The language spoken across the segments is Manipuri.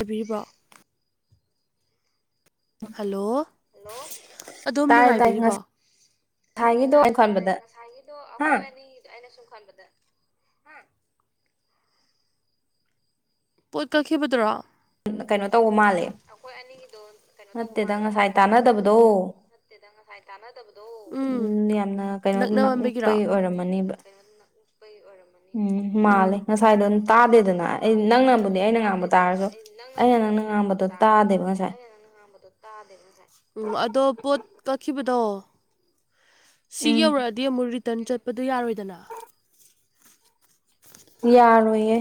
ꯑꯕꯤꯕꯥ ꯍꯜꯂꯣ ꯑꯗꯣꯝ ꯅꯨꯡꯉꯥꯏꯕꯤꯔꯤꯕꯣ ꯇꯥꯔꯦ ꯇꯥꯔꯦ ꯉꯁꯥꯏꯒꯤꯗꯣ ꯑꯩꯈꯣꯏ ꯑꯅꯤꯗꯣ ꯑꯩꯅ ꯁꯨꯝ ꯈꯟꯕꯗ ꯄꯣꯠ ꯀꯛꯈꯤꯕꯗꯨꯔꯣ ꯀꯩꯅꯣ ꯇꯧꯕ ꯃꯥꯜꯂꯦ ꯅꯠꯇꯦꯗ ꯉꯁꯥꯏ ꯇꯥꯟꯅꯗꯕꯗꯣ ꯎꯝ ꯌꯥꯝꯅ ꯀꯩꯅꯣ ꯅꯛ ꯅꯛꯄꯒꯤ ꯑꯣꯏꯔꯝꯃꯅꯦꯕ ꯎꯝ ꯃꯥꯂꯦ ꯑꯁꯥꯏꯗ ꯇꯥꯗꯦꯗꯅ ꯑꯩ ꯅꯪ ꯉꯝꯕꯅꯤ ꯑꯩꯅ ꯉꯥꯡꯕ ꯇꯥꯔꯁꯨ ꯅ ꯉꯥꯟꯕꯅꯦ ꯑꯩꯅ ꯉꯥꯡꯕ ꯇꯥꯔ ꯑꯩꯅ ꯅ ꯉꯥꯡꯗꯣ ꯇꯥ ꯎ ꯑꯗꯣ ꯄꯣꯠ ꯀꯛꯈꯤꯕ ꯑꯣ ꯁꯤ ꯌꯧꯔꯛꯑꯗꯤ ꯑꯃꯨꯛ ꯔꯤ ꯇꯔꯟ ꯆꯠꯄꯗꯨ ꯌꯥꯔꯣꯏꯗꯅ ꯌꯥꯔ ꯑꯣꯏꯏꯌꯦ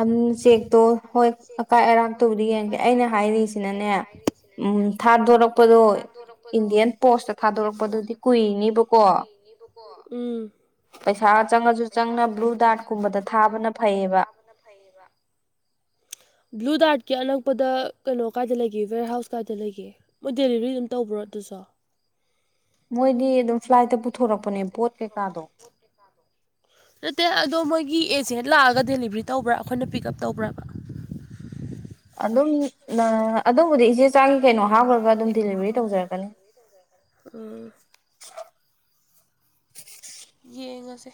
ꯑꯁꯦ ꯍꯣꯏ ꯑꯀꯥꯏ ꯑꯔꯥꯛꯇꯕꯨꯗꯤ ꯌꯦꯡꯒꯦ ꯑꯩꯅ ꯍꯥꯏꯔꯤꯁꯤꯅꯅꯦ ꯎ ꯊꯥꯗꯣꯔꯛꯄꯗ ꯑꯗꯣ ꯏꯟꯗꯤꯌꯥꯟ ꯄꯣꯁꯇ ꯊꯥꯗꯣꯔꯛꯄꯗꯨꯗꯤ ꯀꯨꯏꯅꯤꯕꯀꯣ ꯄꯩꯁꯥꯒ ꯆꯪꯉꯁꯨ ꯆꯪꯅ ꯕ꯭ꯂꯨ ꯗꯥꯔꯠꯀꯨꯝꯕꯗ ꯊꯥꯕꯅ ꯐꯩꯌꯦꯕ ꯑꯍꯩꯕ [inaudible] ꯕ꯭ꯂꯨꯗꯥꯔꯠꯀꯤ ꯑꯅꯛꯄꯗ ꯀꯩꯅꯣ ꯀꯥꯏꯗ ꯂꯩꯒꯦ ꯋꯦꯌꯔ ꯍꯥꯎꯁ ꯀꯥꯏꯗ ꯂꯩꯒꯦ ꯃꯣꯏ ꯗꯦꯂꯤꯚꯔꯤ ꯑꯗꯨꯝ ꯇꯧꯕ꯭ꯔꯣ ꯖ ꯃꯣꯏꯗꯤ ꯑꯗꯨꯝ ꯐ꯭ꯂꯥꯏꯠꯇ ꯄꯨꯊꯣꯔꯛꯄꯅꯦ ꯄꯣꯠ ꯀꯩꯀꯥꯗꯣ ꯑꯩꯒꯤ ꯑꯦꯠꯁꯤꯅ ꯂꯥꯛꯑꯒ ꯗꯦꯂꯤꯕꯔꯤ ꯇꯧꯕ꯭ꯔꯥ ꯑꯩꯈꯣꯏꯅ ꯄꯤꯛ ꯎꯞ ꯇꯧꯕ꯭ꯔꯕ ꯑꯗꯨꯝ ꯑꯗꯨꯕꯨꯗꯤ ꯏꯆꯦ ꯆꯥꯡꯒꯤ ꯀꯩꯅꯣ ꯍꯥꯞꯈ꯭ꯔꯒ ꯑꯗꯨꯝ ꯗꯗꯤꯂꯤꯚꯔꯤ ꯇꯧꯖꯔꯛꯀꯅꯤ ꯎ [inaudible] ꯌꯦꯡꯉꯁꯦ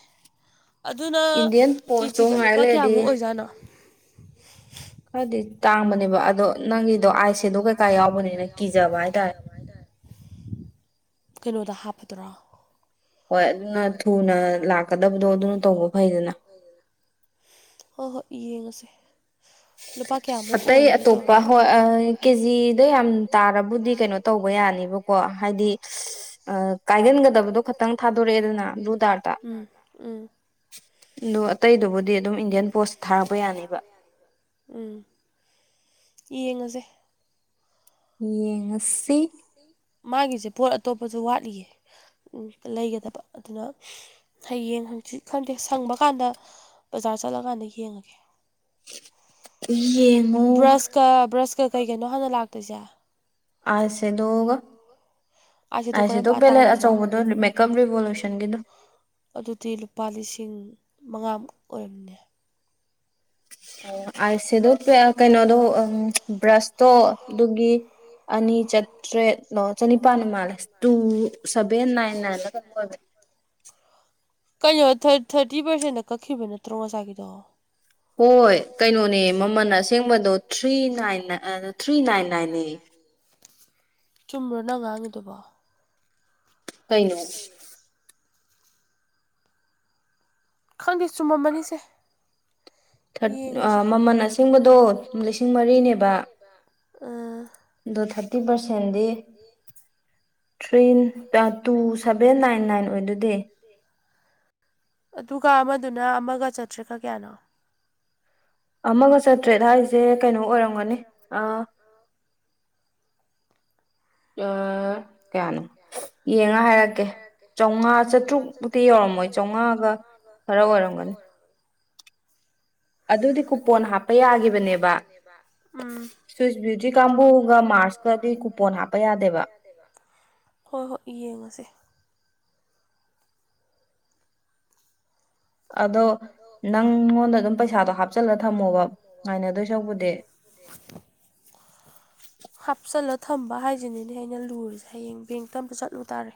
ꯑꯗꯨꯅ ꯀꯦꯖꯤꯗ ꯂꯨꯄꯥ ꯀꯌꯥꯃꯨꯛ ꯑꯣꯏꯖꯥꯠꯅꯣ ꯈꯔꯗꯤ ꯇꯥꯡꯕꯅꯦꯕ ꯑꯗꯣ ꯅꯪꯒꯤꯗꯣ ꯑꯥꯏꯁꯦꯗꯣ ꯀꯩꯀꯥ ꯌꯥꯎꯕꯅꯤꯅ ꯀꯤꯖꯕ ꯍꯥꯏꯇꯥꯔꯦ ꯀꯩꯅꯣꯗ ꯍꯥꯞꯄꯗ꯭ꯔꯣ ꯍꯣꯏ ꯑꯗꯨꯅ ꯊꯨꯅ ꯂꯥꯛꯀꯗꯕꯗꯣ ꯑꯗꯨꯅ ꯇꯧꯕ ꯐꯩꯗꯅ ꯍ ꯍꯣꯏ ꯏ ꯂꯨꯄꯥ ꯑꯇꯩ ꯑꯇꯣꯞꯄ ꯍꯣꯏ ꯀꯦꯖꯤꯗ ꯌꯥꯝ ꯇꯥꯔꯕꯨꯗꯤ ꯀꯩꯅꯣ ꯇꯧꯕ ꯌꯥꯅꯤꯕꯀꯣ ꯍꯥꯏꯗꯤ ꯀꯥꯏꯒꯟꯒꯗꯕꯗꯣ ꯈꯛꯇꯪ ꯊꯥꯗꯣꯔꯛꯑꯦꯗꯅ ꯂꯨꯗꯥꯔꯗ ꯑꯗꯨ ꯑꯇꯩꯗꯨꯕꯨꯗꯤ ꯑꯗꯨꯝ ꯏꯟꯗꯤꯌꯥꯟ ꯄꯣꯁ ꯊꯥꯔꯄ ꯌꯥꯅꯦꯕ ꯎꯝ ꯌꯦꯡꯉꯁꯦ ꯌꯦ ꯉ ꯁꯤ ꯃꯥꯒꯤꯁꯦ ꯄꯣꯠ ꯑꯇꯣꯞꯄꯁꯨ ꯋꯥꯠꯂꯤꯌꯦ ꯂꯩꯒꯗꯕ ꯑꯗꯨꯅ ꯍꯌꯦꯡ ꯈꯪꯗ ꯁꯪꯕ ꯀꯥꯟꯗ ꯕꯖꯥꯔ ꯆꯠꯂꯀꯥꯟꯗ ꯌꯦꯡꯉꯒꯦ ꯕ꯭ꯔꯁꯀ ꯕ꯭ꯔꯁꯀ ꯀꯩ ꯀꯩꯅꯣ ꯍꯥꯟꯅ ꯂꯥꯛꯇꯣꯏꯁꯦ ꯑꯁꯦꯗ ꯑꯣꯏꯒ ꯑꯩ ꯁꯤꯗꯣ ꯕꯦꯂꯦꯛ ꯑꯆꯧꯕꯗꯣ ꯃꯦꯀꯞ ꯔꯤꯚꯣꯂꯨꯁꯟꯒꯤꯗꯣ ꯑꯗꯨꯗꯤ ꯂꯨꯄꯥ ꯂꯤꯁꯤꯡ ꯃꯉꯥꯃꯨꯛ ꯑꯣꯏꯔꯝꯅꯦ ꯑꯣ ꯑ ꯊꯗꯣꯛ ꯀꯩꯅꯣꯗꯣ ꯕ꯭ꯔꯁꯇꯣ ꯑꯗꯨꯒꯤ ꯑꯅꯤ ꯆꯥꯇ꯭ꯔꯦꯠ ꯂ ꯆꯅꯤ ꯄꯅꯤ ꯃꯥꯂꯁ ꯇꯨ ꯁꯕꯦꯦꯟ ꯅꯥꯏꯟ ꯅꯥꯏꯟ ꯂ ꯀ ꯀꯩꯅꯣ ꯊꯥꯔꯇꯤ ꯄꯥꯔꯁꯦꯟꯗ ꯀꯛꯈꯤꯕ ꯅꯠꯇ꯭ꯔꯣ ꯉꯁꯥꯏꯒꯤꯗꯣ ꯍꯣꯏ ꯀꯩꯅꯣꯅꯦ ꯃꯃꯜ ꯑꯁꯦꯡꯕꯗꯣ ꯊ꯭ꯔꯤ ꯅꯥꯏꯟ ꯊ꯭ꯔꯤ ꯅꯥꯏꯟ ꯅꯥꯏꯟꯅꯦ [inaudible] ꯆꯨꯝꯕ꯭ꯔꯣꯅꯪ ꯉꯥꯡꯉꯤꯗꯨꯕꯣ ꯀꯅ ꯈꯪꯗꯦ ꯆꯨꯝꯃꯝꯃꯅꯤꯁꯦ ꯊꯔ ꯃꯃꯜ ꯑꯁꯦꯡꯕꯗꯣ ꯂꯤꯁꯤꯡ ꯃꯔꯤꯅꯦꯕ ꯑꯣ thirty ꯄꯥꯔꯁꯦꯟꯗꯤ three two seven nine nine ꯑꯣꯏꯗꯗꯤ ꯑꯗꯨꯅ ꯑꯃꯒ ꯆꯠꯇ꯭ꯔꯦꯒ ꯀꯌꯥꯅꯣ ꯑꯃꯒ ꯆꯥꯇ꯭ꯔꯦꯠ ꯍꯥꯏꯔꯤꯁꯦ ꯀꯩꯅꯣ ꯑꯣꯏꯔꯝꯒꯅꯤ ꯑ ꯑ ꯀꯩꯅꯣ ꯌꯦꯡꯉ ꯍꯥꯏꯔꯛꯀꯦ ꯆꯥꯝꯃꯉꯥ ꯆꯥꯇ꯭ꯔꯨꯛꯃꯨꯛꯇꯤ ꯌꯧꯔꯝꯃꯣꯏ ꯆꯥꯝꯃꯉꯥꯒ ꯈꯔ ꯑꯣꯏꯔꯝꯒꯅꯤ ꯑꯗꯨꯗꯤ ꯀꯨꯄꯣꯟ ꯍꯥꯞꯄ ꯌꯥꯈꯤꯕꯅꯦꯕ ꯁ꯭ꯋꯤꯁ ꯕ꯭ꯌꯨꯇꯤ ꯀꯥꯡꯕꯨꯒ ꯃꯥꯔꯁꯀꯗꯤ ꯀꯨꯄꯣꯟ ꯍꯥꯞꯄ ꯌꯥꯗꯦꯕ ꯍꯣꯏ ꯍꯣꯏ ꯌꯦꯡꯉꯁꯦ ꯑꯗꯣ ꯅꯪꯉꯣꯟꯗ ꯑꯗꯨꯝ ꯄꯩꯁꯥꯗꯣ ꯍꯥꯞꯆꯜꯂꯒ ꯊꯝꯃꯣꯕ ꯀꯥꯏꯅꯗꯣꯏ ꯁꯧꯕꯗꯤ [inaudible] ꯍꯥꯞꯁꯂ ꯊꯝꯕ ꯍꯥꯏꯁꯤꯅꯤꯅꯦ ꯑꯩꯅ ꯂꯨꯔꯤꯁꯦ ꯍꯌꯦꯡ ꯕꯦꯡꯇ ꯑꯃꯨ ꯆꯠꯂꯨ ꯇꯥꯔꯦ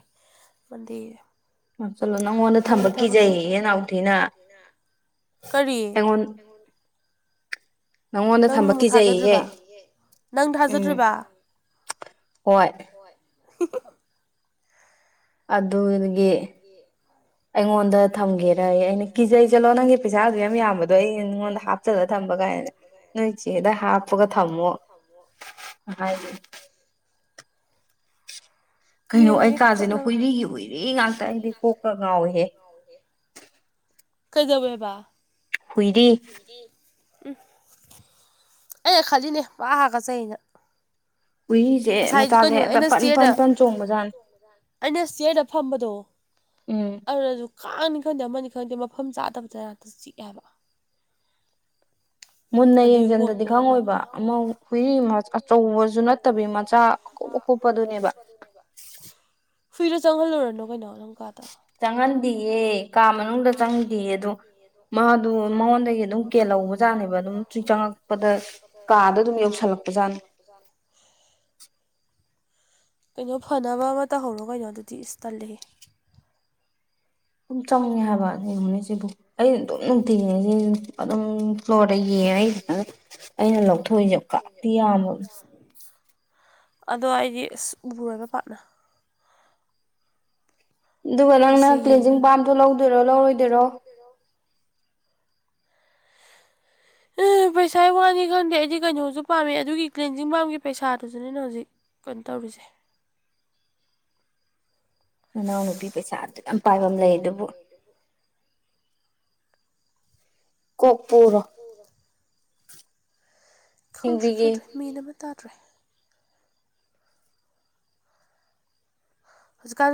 ꯃꯟꯗꯦꯁꯦ ꯆꯜꯂꯣ ꯅꯪꯉꯣꯟꯗ ꯊꯝꯕ ꯀꯤꯖꯩꯍ ꯅꯥꯎꯊꯤꯅ ꯀꯔꯤ ꯅꯉꯣꯟꯗ ꯊꯝꯝꯕꯀꯤꯖꯩꯌꯦꯍꯦ ꯎꯝ ꯍꯣꯏ [unintelligible] [inaudible] ꯑꯗꯨꯒꯤ ꯑꯩꯉꯣꯟꯗ ꯊꯝꯒꯦꯔ ꯑꯩ ꯑꯩꯅ ꯀꯤꯖꯩ ꯆꯠꯂꯣ ꯅꯪꯒꯤ ꯄꯩꯁꯥꯗꯨ ꯌꯥꯝ ꯌꯥꯝꯕꯗꯣ ꯑꯩ ꯅꯉꯣꯟꯗ ꯍꯥꯞꯆꯜꯂ ꯊꯝꯕ ꯀꯥꯏꯅ ꯅꯣꯏ ꯏ ꯆꯦꯗ ꯍꯥꯞꯄꯒ ꯊꯝꯃꯣ ꯍꯥꯏ [unintelligible] [inaudible] ꯀꯩꯅꯣ ꯑꯩ ꯀꯥꯥꯁꯅ ꯍꯨꯏꯔꯤꯒꯤ ꯍꯨꯏꯔꯤ ꯉꯥꯛꯇ ꯑꯩꯗꯤ ꯀꯣꯛꯀ ꯉꯥꯎꯏꯍꯦ [unintelligible] [inaudible] ꯀꯩꯗꯧꯕꯦꯕ ꯍꯨꯏꯔꯤ ꯎꯝ ꯑꯦ ꯈꯜꯂꯤꯅꯦ ꯄ ꯍꯥꯒꯁꯦ ꯑꯩꯅ ꯎꯨꯏꯔꯤꯁꯦ ꯃꯇꯁꯦ ꯍꯦꯛꯇ ꯄꯟ ꯄꯟ ꯄꯟ ꯆꯣꯡꯕꯖꯥꯠꯅꯤ ꯑꯩꯅ ꯆꯤꯌꯔꯗ ꯐꯝꯕꯗꯣ ꯑꯗꯨ ꯀꯥꯡꯅꯤ ꯈꯪꯗꯦ ꯑꯃꯅꯤ ꯈꯪꯗꯦ ꯃꯐꯝ ꯆꯥꯗꯕꯗ ꯉꯅꯥꯛꯇ ꯆꯤꯛꯑꯦꯕ ꯃꯨꯟꯅ ꯌꯦꯡꯁꯤꯟꯗꯗꯤ ꯈꯪꯉꯣꯏꯕ ꯑꯃ ꯍꯨꯏꯔꯤ ꯑꯆꯧꯕꯁꯨ ꯅꯠꯇꯕꯤꯒꯤ ꯆꯥ ꯑ ꯀꯨꯞꯄ ꯀꯨꯞꯄꯗꯨꯅꯦꯕ ꯍꯨꯏꯗ ꯆꯪꯍꯜꯂꯨꯔꯅꯣ ꯀꯩꯅꯣ ꯅꯪ ꯀꯥꯗ ꯆꯪꯍꯟꯗꯌꯦ ꯀꯥ ꯃꯅꯨꯡꯗ ꯆꯪꯗꯌꯦ ꯑꯗꯣ ꯃꯥꯗꯨ ꯃꯉꯣꯟꯗꯒꯤ ꯑꯗꯨꯝ ꯀꯦꯜꯍꯧꯕ ꯀꯦꯜꯍꯧꯕꯖꯥꯠꯅꯤꯗꯣ ꯑꯗꯨꯝ ꯆꯪꯉꯛꯄꯗ ꯀꯥꯗꯣ ꯑꯗꯨꯝ ꯌꯧꯁꯜꯂꯛꯄꯖꯥꯠꯅꯤ [unintelligible] [inaudible] ꯀꯩꯅꯣ ꯐꯅꯕ ꯑꯃ ꯇꯧꯍꯧꯔꯣ ꯀꯩꯅꯣ ꯑꯗꯨꯗꯤ ꯏꯁ ꯇꯜꯜꯂꯤꯦ [unintelligible] [inaudible] ꯆꯪꯉꯦ ꯍꯥꯏꯕ ꯍꯣꯅꯤꯁꯤꯕꯨ ꯑꯩ ꯑꯗꯨꯝ ꯅꯨꯡꯇꯤꯉꯁꯦ ꯑꯗꯨꯝ ꯐ꯭ꯂꯣꯔꯗ ꯌꯦꯡꯉ ꯑꯩ ꯑꯩꯅ ꯂꯧꯊꯣꯛꯏꯁꯦꯕ ꯀꯥꯇꯤ ꯌꯥꯝꯃꯕ ꯑꯗꯣ ꯑꯩꯗꯤ ꯑꯁ ꯎꯣꯏꯕ ꯄꯥꯠꯅ ꯑꯗꯨꯒ ꯅꯪꯅ ꯀ꯭ꯂꯤꯟꯖꯤꯡ ꯄꯥꯝꯗꯣ ꯂꯧꯗꯣꯏꯔꯣ ꯂꯧꯔꯣꯏꯗꯣꯏꯔꯣ ꯎꯝ [inaudible] [unintelligible] ꯑꯗꯨ ꯄꯩꯁꯥ ꯋꯥꯅꯤ ꯈꯪꯗꯦ ꯑꯩꯗꯤ ꯀꯩꯅꯣꯁꯨ ꯄꯥꯝꯃꯦ ꯑꯗꯨꯒꯤ ꯀ‌ꯦꯟꯖꯤꯡ ꯄꯕꯥꯝꯒꯤ ꯄꯩꯁꯥꯗꯨꯁꯨꯅꯦꯅ ꯍꯧꯖꯤꯛ ꯀꯩꯅꯣ ꯇꯧꯔꯤꯁꯦ [inaudible] ꯅꯅꯥꯎꯅꯨꯄꯤ ꯄꯩꯁꯥ ꯗꯨꯛꯌꯥꯝ ꯄꯥꯏꯕꯤ ꯑꯃ ꯂꯩ ꯑꯗꯨꯕꯨ ꯀ‌ꯣꯛꯄꯨꯔ‌ꯣ ꯈꯪꯗ꯭ꯔꯤ ꯈꯪꯗ꯭ꯔꯤ ꯃꯦꯟ ꯑꯃ ꯇꯥꯗ꯭ꯔꯦ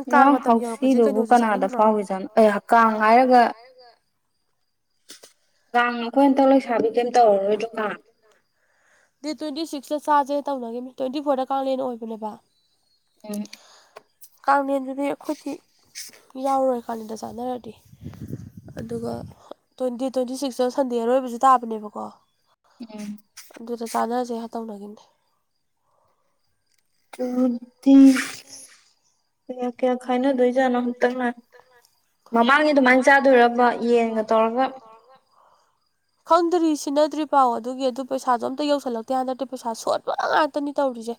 ꯉ ꯍꯧꯁꯤꯗꯨꯕꯨ ꯀꯅꯥꯗ ꯐꯥꯎꯏꯖꯥꯠꯅꯣ ꯑꯩꯌꯥ ꯀꯥꯡ ꯍꯥꯏꯔꯒ [unintelligible] ꯀꯥꯡ ꯗ‌ꯦꯠ ꯇ꯭ꯋ‌ꯦꯟꯇꯤ ꯁꯤꯛꯁ ꯁꯤꯗ ꯆꯥꯁꯦ ꯇꯧꯅꯈꯤꯕꯅꯦ ꯇ꯭ꯋꯦꯟꯇꯤ ꯐꯣꯔꯗ ꯀꯥꯡꯂꯦꯟ ꯑꯣꯏꯕꯅꯦꯕ ꯎꯝ ꯀꯂꯦꯟꯗꯨꯗꯤ ꯑꯩꯈꯣꯏꯗꯤ ꯌꯥꯎꯔꯣꯏ ꯀꯥꯂꯦꯟꯗ ꯆꯥꯅꯔꯗꯤ ꯑꯗꯨꯒ ꯇ꯭ꯋꯦꯟꯇꯤ ꯇ꯭ꯋꯦꯟꯇꯤ ꯁꯤꯛꯁꯇ ꯁꯟꯗꯦ ꯑꯔꯣꯏꯕꯁꯨ ꯇꯥꯕꯅꯦꯕꯀꯣ ꯑꯗꯨꯗ ꯆꯥꯅꯁꯦ ꯇꯧꯅꯈꯤꯝꯅꯤ ꯇ꯭ꯋꯦꯟꯇꯤ ꯗꯨꯗꯤ ꯀꯌꯥ ꯀꯌꯥ ꯈꯥꯏꯅꯥ ꯗ‌ꯣꯏ ꯖꯥꯠꯅ‌ꯣ ꯍꯟꯇꯛꯅ ꯃꯃꯥꯡꯒꯤ ꯑꯗꯨꯃꯥꯏꯅ ꯆꯥꯗꯣꯏꯔꯕ ꯌꯦꯟꯒ ꯇꯧꯔꯒ [inaudible] ꯈꯪꯗ꯭ꯔꯤ ꯁꯤꯟꯅꯗ꯭ꯔꯤ ꯄꯥꯎ ꯑꯗꯨꯒꯤ ꯑꯗꯨ ꯄꯩꯁꯥꯗꯣ ꯑꯝꯇ ꯌꯧꯁꯤꯜꯂꯛꯇꯦ ꯍꯟꯗꯛꯇꯤ ꯄꯩꯁꯥ ꯁꯣꯠꯄ ꯉꯥꯛꯇꯅꯤ ꯇꯧꯔꯤꯁꯦ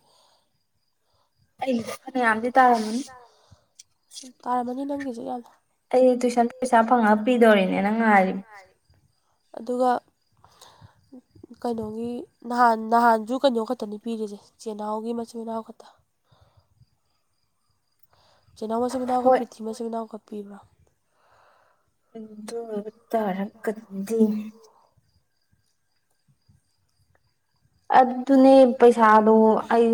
ꯑꯩꯅꯤ ꯌꯥꯝꯗꯤ ꯇꯔꯝꯃꯅꯤ ꯑꯩꯗꯤ ꯇꯨꯏꯁꯟ ꯄꯩꯁꯥ ꯐꯪꯉ ꯄꯤꯗꯣꯔꯤꯅꯦ ꯅꯪ ꯉꯥꯏꯔꯤꯕ ꯑꯗꯨꯒ ꯀꯩꯅꯣꯒꯤ ꯅꯍꯥꯟ ꯅꯍꯥꯟꯁꯨ ꯀꯩꯅꯣ ꯈꯛꯇꯅꯤ ꯄꯤꯔꯤꯁꯦ ꯆꯤ ꯏꯅꯥꯎꯒꯤ ꯃꯆꯤꯟ ꯃꯅꯥꯎ ꯈꯛꯇ [unintelligible] ꯆ‌ꯦ ꯏꯅꯥꯎ ꯃꯆꯤꯟ ꯏꯅꯥꯎꯒ ꯄ꯭ꯔꯤꯊꯤꯕꯤ ꯃꯆꯤꯟ ꯏꯅꯥꯎꯒ ꯄꯤꯕ꯭ꯔꯥ ꯑꯗꯨ ꯑꯣꯏꯕꯥ ꯇꯔ ꯀꯗꯤ ꯑꯗꯨꯅꯦ ꯄꯩꯁꯥꯗꯣ ꯑꯩ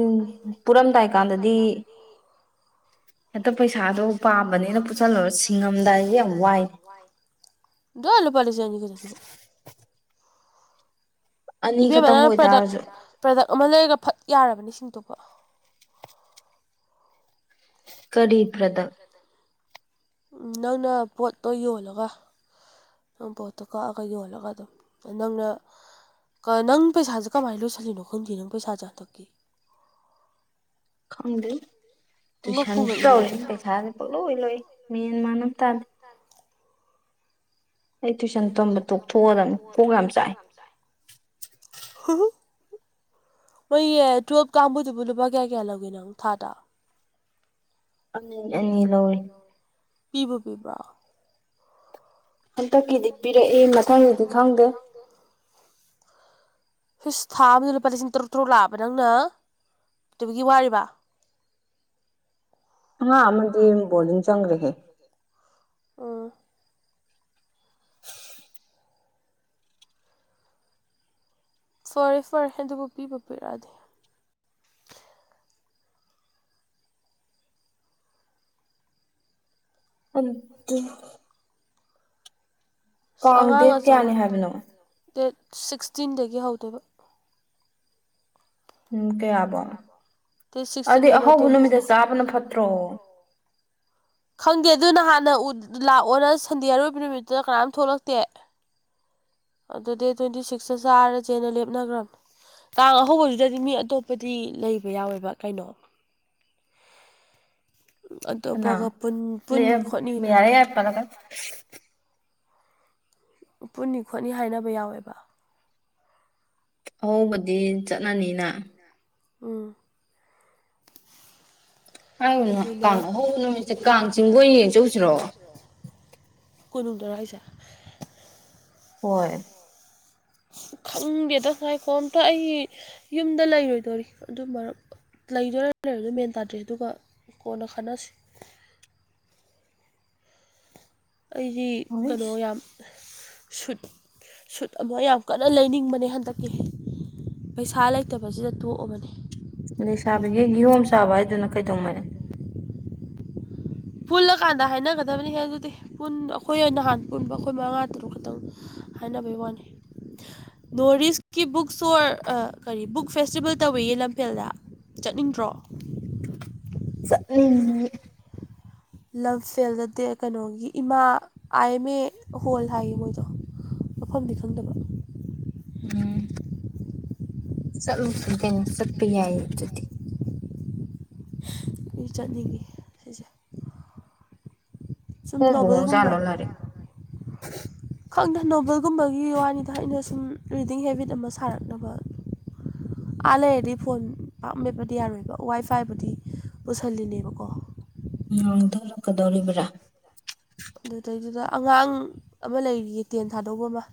ꯄꯨꯔꯝꯗꯥꯏ ꯀꯥꯟꯗꯗꯤ ꯍꯦꯛꯇ ꯄꯩꯁꯥꯗꯣ ꯄꯥꯝꯕꯅꯤꯅ ꯄꯨꯁꯜꯂꯨꯔ ꯁꯤꯡꯉꯝꯗꯥꯏꯗꯤ ꯌꯥꯝ ꯋꯥꯏꯅꯦ ꯗꯣ ꯂꯨꯄ ꯂꯤꯁꯤꯡꯅꯤ ꯈꯛꯇꯗꯨꯕꯨ ꯏꯕꯦꯝꯕ ꯅꯪꯅ ꯄ꯭ꯔꯗꯛ ꯄ꯭ꯔꯗꯛ ꯑꯃ ꯂꯩꯔꯒ ꯐꯠ ꯌꯥꯔꯕꯅꯤ ꯁꯤꯡꯗ‌ꯣꯛꯕ ꯎꯝ ꯅꯪꯅ ꯄꯣꯠꯇꯣ ꯌꯣꯜꯂꯒ ꯅꯪ ꯄꯣꯠꯇꯣ ꯀꯛꯑꯒ ꯌꯣꯜꯂꯒ ꯑꯗꯨꯝ ꯅꯪꯅ ꯅꯪ ꯄꯩꯁꯥꯁꯦ ꯀꯃꯥꯏꯅ ꯂꯣꯏꯁꯤꯜꯂꯤꯅꯣ ꯈꯪꯗꯦ ꯅꯪ ꯄꯩꯁꯥꯁꯦ ꯍꯟꯗꯛꯀꯤ ꯈꯪꯗ ꯇꯨꯏꯁꯟ ꯁꯨ ꯇꯧꯔꯤꯅꯤ ꯄꯩꯁꯥ ꯁꯨ ꯄꯪ ꯂꯣꯏꯂꯣꯏ ꯃꯦꯟ ꯃꯥꯟ ꯑꯝ ꯇꯥꯗꯦ ꯑꯩ ꯇꯨꯏꯁꯟ ꯇꯝꯕ ꯇꯣꯛꯊꯣꯛꯑꯗꯅꯤ ꯀꯣꯛ ꯌꯥꯝ ꯆꯥꯏ ꯃꯣꯏꯒꯤ ꯇꯨꯌꯦꯜꯞ ꯀꯥꯡꯕꯨꯗꯨꯕꯨ ꯂꯨꯄꯥ ꯀꯌꯥ ꯀꯌꯥ ꯂꯧꯒꯦ ꯅꯪ ꯊꯥ ꯇꯥ ꯑꯅꯤ ꯑꯅꯤ ꯂꯧꯏ ꯄꯤꯕꯨ ꯄꯤꯕ꯭ꯔꯥ ꯍꯟꯇꯛꯀꯤꯗꯤ ꯄꯤꯔꯛꯏ ꯃꯊꯪꯒꯤꯗꯤ ꯈꯪꯗꯦ ꯍꯨꯁ ꯊꯥ ꯑꯃꯗ ꯂꯨꯄꯥ ꯂꯤꯁꯤꯡ ꯇꯔꯨꯛ ꯇꯔꯨꯛ ꯂꯥꯛꯑꯕ ꯅꯪꯅ ꯇꯧꯕꯒꯤ ꯋꯥꯔꯤꯕ [inaudible] ꯑꯉꯥꯡ ꯃꯗꯤ ꯕꯣꯔ ꯗꯤꯡ ꯆꯪ ꯈꯔꯦ ꯍꯦ ꯑ ꯐꯔꯦ ꯐꯔꯦ ꯑꯗꯨꯕꯨ ꯄꯤꯕ ꯄꯤꯔꯛꯑꯗꯤ ꯑꯗꯨꯠꯇ ꯑꯉꯥꯡ ꯑꯆꯧꯕ ꯗꯦꯠ ꯁꯤꯛꯁꯇꯤꯟꯗꯒꯤ ꯍꯧꯗꯣꯏꯕ ꯎ ꯀꯥꯌꯥꯕꯨ ꯑꯗꯨꯗꯤ ꯑꯍꯧꯕ ꯅꯨꯃꯤꯠꯇ ꯆꯥꯕꯅ ꯐꯠꯇ꯭ꯔꯣ ꯈꯪꯗꯦ ꯑꯗꯨꯅꯍꯥꯟ ꯍꯥꯟꯅ ꯂꯥꯛꯑꯣꯅ ꯁꯟꯗꯦ ꯑꯔꯣꯏꯕ ꯅꯨꯃꯤꯠꯇꯨꯗ ꯀꯅꯥꯝ ꯊꯣꯛꯂꯛꯇꯦ ꯑ ꯗꯦꯠ ꯇ꯭ꯋꯦꯟꯇꯤ ꯁꯤꯛꯁꯇ ꯆꯥꯔꯁꯦꯅ ꯂꯦꯞꯅꯈ꯭ꯔꯕꯅꯦ ꯀꯥꯡꯥꯡ ꯑꯍꯧꯕꯗꯨꯗꯗꯤ ꯃꯤ ꯑꯇꯣꯞꯄꯗꯤ ꯂꯩꯕ ꯌꯥꯎꯋꯦꯕ ꯀꯩꯅꯣ ꯅꯥ ꯂꯩ ꯃꯌꯥꯔꯦ ꯌꯥ ꯄ ꯂꯒ ꯄꯨꯅꯤ ꯈꯣꯠꯅꯤ ꯍꯥꯏꯅꯕ ꯌꯥꯎꯋꯦꯕ ꯑꯍꯧꯕꯗꯤ ꯆꯠꯅꯅꯤꯅ ꯎꯝ ꯍꯥꯏꯅ ꯀꯥꯡ ꯑꯍꯧꯕ ꯅꯨꯃꯤꯠꯁꯦ ꯀꯥꯡ ꯆꯤꯡꯕ ꯑꯣꯏꯅ ꯌꯦꯡ ꯆꯧꯁꯤꯔꯣ ꯀꯣꯅꯨꯡꯗꯔꯏꯁꯦ ꯍꯣꯏ ꯈꯪꯒꯦꯗ ꯉꯥꯏꯈꯣꯝꯇ ꯑꯩ ꯌꯨꯝꯗ ꯂꯩꯔꯣꯏꯗꯣꯔꯤ ꯑꯗꯨ ꯃꯔ ꯂꯩꯗꯣꯏꯔ ꯂꯩꯔꯗꯝ ꯃꯦꯟ ꯇꯥꯗ꯭ꯔꯦ ꯑꯗꯨꯒ ꯀꯣꯟꯅ ꯈꯟꯅꯁꯤ [inaudible] ꯑꯩꯗꯤ ꯀꯩꯅꯣ ꯌꯥꯝ ꯁꯨꯠ ꯁꯨꯠ ꯑꯃ ꯌꯥꯝ ꯀꯟꯅ ꯂꯩꯅꯤꯡꯕꯅꯦ ꯍꯟꯗꯛꯀꯤ ꯄꯩꯁꯥ ꯂꯩꯇꯕꯁꯤꯗ ꯊꯣꯛꯑꯕꯅꯤ ꯂꯩ ꯁꯥꯥꯕꯤꯒꯤ ꯀꯤꯍꯣꯝ ꯆꯥꯕ ꯍꯥꯏꯗꯨꯅ ꯀꯩꯗꯧꯉꯅꯤꯦ ꯄꯨꯜꯂꯀꯥꯟꯗ ꯍꯥꯏꯅꯒꯗꯕꯅꯤꯍꯦ ꯑꯗꯨꯗꯤ ꯑꯩꯈꯣꯏ ꯑꯣꯏꯅ ꯅꯍꯥꯟ ꯄꯨꯟꯕ ꯑꯩꯈꯣꯏ ꯃꯉꯥ ꯇꯔꯨꯛ ꯈꯛꯇꯪ ꯍꯥꯏꯅꯕꯤ ꯋꯥꯅꯤ ꯅꯣꯔꯠ ꯏꯁꯀꯤ ꯕꯨꯛ ꯁꯇꯣꯔ ꯀꯔꯤ ꯕꯨꯛ ꯐꯦꯁꯇꯤꯚꯦꯜ ꯇꯧꯋꯤꯌꯦ ꯂꯝꯐꯦꯜꯗ ꯆꯠꯅꯤꯡꯗ꯭ꯔꯣ [unintelligible] ꯎꯝ ꯂꯝꯐꯦꯜꯗꯗꯤ ꯀꯩꯅꯣꯒꯤ ꯏꯃꯥ ꯑꯥꯏ ꯑꯦꯝ ꯑꯦ ꯍꯣꯜ ꯍꯥꯏꯌꯦ ꯃꯣꯏꯗꯣ ꯋꯥꯐꯝꯗꯤ ꯈꯪꯗꯕ ꯎꯝ ꯆꯠꯂꯨ ꯈꯗꯅꯦ ꯆꯠꯄ ꯌꯥꯏ ꯑꯗꯨꯗꯤ ꯆꯠꯅꯤꯡꯉꯤ ꯁꯤꯁꯦ ꯍꯣꯡꯕꯨ ꯍꯣꯡ ꯆꯂꯣ ꯂꯔꯦ ꯈꯪꯅ ꯅꯣꯕꯦꯜꯒꯨꯝꯕꯒꯤ ꯋꯥꯅꯤꯗꯣ ꯑꯩꯅ ꯁꯨꯝ ꯔꯤꯗꯤꯡ ꯍꯦꯕꯤꯠ ꯑꯃ ꯁꯥꯔꯛꯅꯕ [unintelligible] ꯑꯥ ꯂꯩꯔꯗꯤ ꯐꯣꯟ ꯄꯥꯞꯃꯦꯦꯞꯄꯗꯤ ꯌꯥꯔꯣꯏꯕ ꯋꯥꯏ ꯐꯥꯏꯕꯨꯗꯤ ꯄꯨꯁꯤꯜꯂꯤꯅꯦꯕꯀꯣ ꯎꯝꯗꯧꯔꯀꯗꯧꯔꯤꯕꯔꯤꯕ꯭ꯔꯥ ꯑꯗꯨꯗꯩꯗꯨꯗ ꯑꯉꯥꯡ ꯑꯃ ꯂꯩꯔꯤꯌꯦ ꯇꯦꯟ ꯊꯥꯗꯧꯕ ꯑꯃ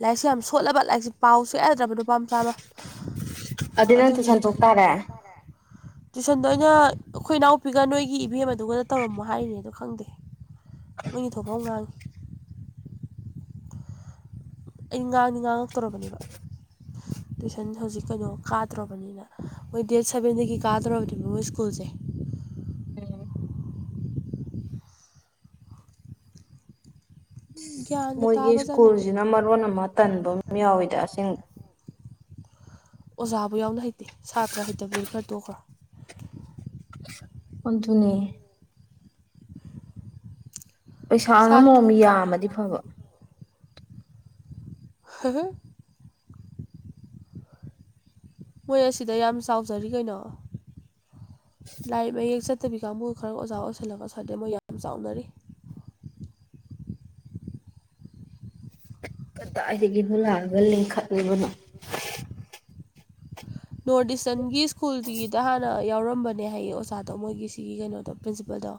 ꯂꯥꯏꯔꯤꯛꯁꯦ ꯌꯥꯝ ꯁꯣꯠꯂꯕ ꯂꯥꯏꯔꯤꯛꯁꯦ ꯄꯥꯎꯁꯨ ꯌꯥꯗ꯭ꯔꯕ ꯅꯨꯄꯥ ꯃꯆꯥꯃ ꯑꯗꯨ ꯅꯪ ꯇꯨ ꯁꯟꯗꯣꯛꯇꯥꯥꯔꯦ ꯇꯨꯏꯁꯟꯗꯣ ꯑꯩꯅ ꯑꯩꯈꯣꯏ ꯏꯅꯥꯎꯄꯤꯒ ꯅꯣꯏꯒꯤ ꯏꯚꯤꯦꯝ ꯑꯗꯨꯒ ꯇꯧꯔꯝꯃꯣ ꯍꯥꯏꯔꯤꯅꯦ ꯑꯗꯣ ꯈꯪꯗꯦ ꯃꯣꯏꯅ ꯊꯄꯥꯎ ꯉꯥꯡꯉꯤ ꯑꯩ ꯉꯥꯡꯅꯤ ꯉꯥꯡꯉꯛꯇꯧꯔꯕꯅꯦꯕ [unintelligible] ꯇꯨꯏꯁꯟ ꯍꯧꯖꯤꯛ ꯀꯩꯅꯣ ꯀꯥꯗ꯭ꯔꯕꯅꯤꯅ ꯃꯣꯏ ꯗꯦꯠ ꯁꯕꯦꯟꯗꯒꯤ ꯀꯥꯗ꯭ꯔꯕꯅꯦꯕ ꯃꯣꯏ ꯁ꯭ꯀꯨꯜꯁꯦ ꯎꯝ ꯃꯣꯏꯒꯤ ꯁ꯭ꯀꯨꯜꯁꯤꯅ ꯃꯔꯣꯟ ꯑꯃ ꯇꯟꯕ ꯌꯥꯎꯋꯤꯗ ꯑꯁꯦꯡ ꯑꯣꯖꯥꯕꯨ ꯌꯥꯎꯅ ꯍꯩꯇꯦ ꯁꯥꯇ꯭ꯔ ꯍꯩꯇꯕꯗꯨꯗꯒꯤ ꯈꯔ ꯇꯣꯛꯈ꯭ꯔꯣ ꯍꯟꯗꯨꯅꯦ ꯄꯩꯁꯥꯅ ꯃꯑꯣꯡ ꯌꯥꯝꯃꯗꯤ ꯐꯕ ꯍ ꯃꯣꯏ ꯑꯁꯤꯗ ꯌꯥꯝ ꯆꯥꯎꯖꯔꯤ ꯀꯩꯅꯣ ꯂꯥꯏ ꯃꯌꯦꯛ ꯆꯠꯇꯕꯤ ꯀꯥꯡꯕꯨ ꯈꯔ ꯑꯣꯖꯥ ꯑꯣꯏꯁꯜꯂꯒ ꯁꯗꯦ ꯃꯣꯏ ꯌꯥꯝ ꯆꯥꯎꯅꯔꯤ [unintelligible] ꯀꯗꯥꯏꯗꯒꯤꯅꯣ ꯂꯥꯛꯑꯒ ꯂꯤꯡꯈꯠꯂꯤꯕꯅꯣ ꯅꯣꯔꯠ ꯏꯁꯇꯔꯟꯒꯤ ꯁ꯭ꯀꯨꯜꯒꯤꯗ ꯍꯥꯟꯅ ꯌꯥꯎꯔꯝꯕꯅꯦ ꯍꯥꯏꯌꯦ ꯑꯣꯖꯥꯗꯣ ꯃꯣꯏꯒꯤ ꯁꯤꯒꯤ ꯀꯩꯅꯣꯗꯣ ꯄ꯭ꯔꯤꯟꯁꯤꯄꯜꯗꯣ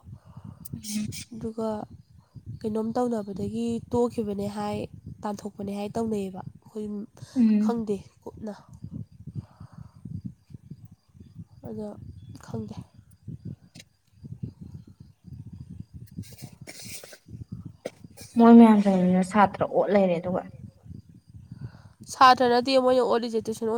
ꯑꯗꯨꯒ [unintelligible] ꯀꯩꯅꯣꯝ ꯇꯧꯅꯕꯗꯒꯤ ꯇꯣꯛꯈꯤꯕꯅꯦ ꯍꯥꯏ ꯇꯥꯟꯊꯣꯛꯄꯅꯦ ꯍꯥꯏ ꯇꯧꯅꯩꯌꯦꯕ ꯑꯩꯈꯣꯏ ꯈꯪꯗꯦ ꯀꯨꯞꯅ [inaudible] ꯑꯗꯣ ꯈꯪꯗꯦ ꯃꯣꯏ ꯃꯌꯥꯝꯁꯅꯤꯅ ꯁꯥꯇ꯭ꯔ ꯑꯣꯠ ꯂꯩꯔꯦ ꯑꯗꯨꯒ ꯁꯥꯇ꯭ꯔꯅꯗꯤ ꯃꯣꯏꯅ ꯑꯣꯂꯤꯁꯦ ꯇꯨꯁꯟ